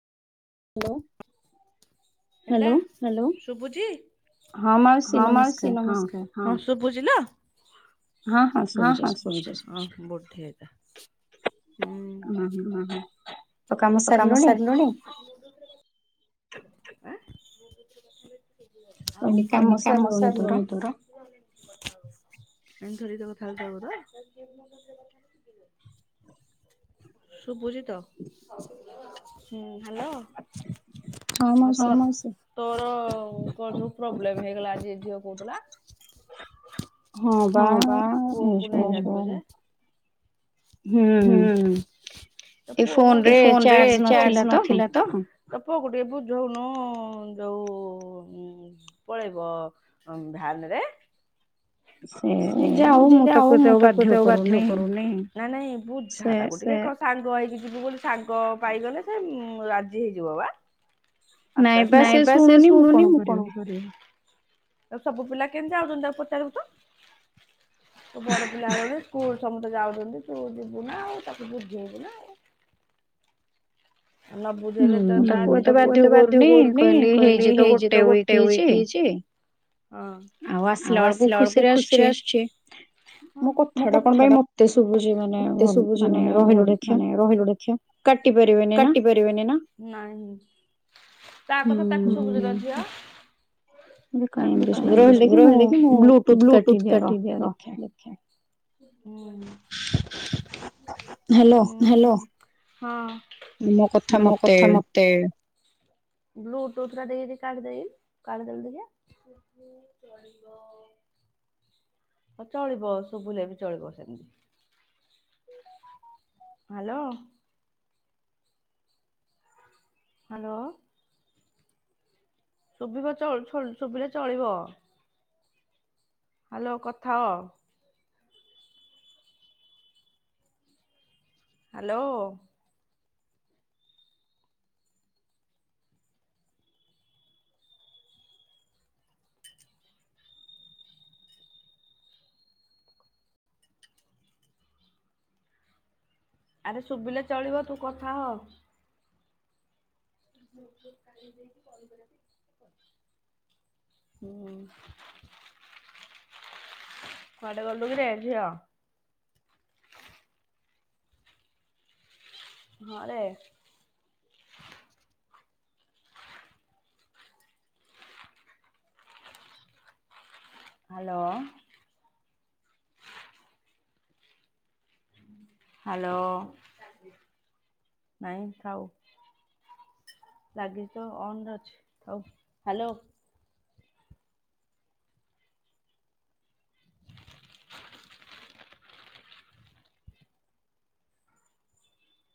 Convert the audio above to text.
Hello. ହେଲା hello ଶୁଭୁଛି ହଁ ମାଉସୀ ନମସ୍କାର। ହଁ ଶୁଭୁଛିିଲ ହଁ ହଁ ଶୁଭୁଛି ଶୁ ହଁ ବୁଢି ହେଇ ଥା। ହୁଁ ମାହୁ ତୋ କାମ ସାରିଲୁଣି? ଆଁ [unintelligible] ଆଉ କହିନି କାମ ସାରିଲୁଣି ତୋର? [unintelligible] ଶୁଭୁଛି ତ? ହୁଁ ହ୍ୟାଲୋ ହଁ ମାଉସୀ। ତୋର କଣ ସବୁ ପ୍ରୋବ୍ଲେମ୍ ହେଇଗଲା ଆଜି ଝିଅ କହୁଥିଲା। ହଁ ବା ପୁଅକୁ ନେଇ [unintelligible] ହୁଁ ତୋ ପୁଅକୁ ଏ ଫୋନ ରେ ଚାର୍ଜ ନଥିଲା ତ। ତ ପୁଅ ଟିକେ ବୁଝଉନୁ ଯୋଉ ଉଁ ପଳେଇବ ଅ ଭ୍ୟାନ୍ ରେ। ହେ ଯିଏ ଯାହା ହଉ ମୁଁ ତାକୁ ଏତେ ଆଉ ବାଧ୍ୟ କରୁନି ନାଇଁ ନାଇଁ ବୁଝା ତାକୁ ଟିକେ ସେ ସାଙ୍ଗ ହେଇକି ଯିବୁ ବୋଲି ସାଙ୍ଗ ପାଇଗଲେ ସେ ଉଁ ରାଜି ହେଇଯିବ ବା। ଆସ୍ତେ ଆସ୍ତେ ନାଇଁ ବା ସେ ସୁଣୁନି ମୁଁ କଣ କରିବି। ସବୁ ପିଲା କେମତି ଯାଉଛନ୍ତି ତାକୁ ପଚାରିବୁ ତ? ତୁ ବଡ଼ ପିଲା ହେଲୁଣି ସ୍କୁଲ ସମସ୍ତେ ଯାଉଛନ୍ତି ତୁ ଯିବୁ ନା ଆଉ ତାକୁ ବୁଝେଇବୁ ନାଉ। ନ ବୁଝେଇଲେ ତ ତା ମୁଁ ତାକୁ ଏତେ ବାଧ୍ୟ କରୁନି କହିଲି ହେଇଛି ତ ଗୋଟେ ୱିକ୍ ହେଇଛି। ହଁ ଆଉ ଆସିଲା ବେଳକୁ ଖୁସିରେ ଆସୁଛି ହଁ ମୋ କଥାଟା ମତେ ଶୁଭୁଛି ମାନେ ମା ମାନେ ରହିଲୁ ଦେଖିଆ। କାଟି ପାରିବେନି। କାଟି ପାରିବେନି ନା ନାହିଁ। ତା କଥା ତାକୁ ସୁବୁଛି ଲୋ ଝିଅ। କଣ ଏମିତି ସୁବୁ ରହିଲୁ ଦେଖି ମୁଁ ବ୍ଲୁଟୁଥ କାଟିି ଦିଏ ରହ ଦେଖିବା। ହୁଁ। ହୁଁ ହ୍ୟାଲୋ ହଁ ମୋ କଥା ମ ଟେ ବ୍ଲୁଟୁଥ ଟା ଟିକେ କାଡିଦେଇ କାଢି ଦେଲୁ ଦେଖ୍ୟା? ହାଲୋ। ହଁ ଚଳିବ ସୁଭିଲେ ବି ଚଳିବ ସେମିତି। ହ୍ୟାଲୋ। ହ୍ୟାଲୋ। ଶୁଭିବ ଚଳ ଛଳ ଶୁଭିଲେ ଚଳିବ। ହ୍ୟାଲୋ କଥା ହଅ। ହ୍ୟାଲୋ। ଆରେ ଶୁଭିଲେ ଚଳିବ ତୁ କଥା ହ। [unintelligible] ହୁଁ। କୁଆଡ଼େ ଗଲୁକିରେ ଝିଅ? ହଁରେ। ହ୍ୟାଲୋ। [inaudible] ହ୍ୟାଲୋ ନାହିଁ ଥାଉ। ରାଗିଚ ତ ଅନ ରେ ଅଛି ଆଉ ହ୍ୟାଲୋ।